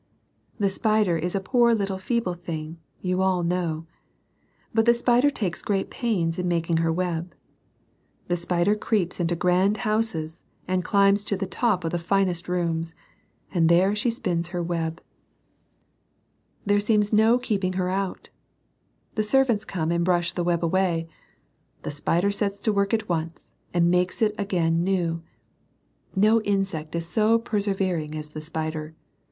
The spider is a poor little feeble thing, you all know. But the spider takes great pains in making her web. The spider creeps into grand houses, and climbs to the top of the finest rooms. And there she spins her web. There seems no keeping THE FSBSZVEKING SPIDER. LITTLE AND WISE. 57 her out. The servants come and brush the web away. The spider sets to work at once, and makes it again new. No insect is so per severing as the spider.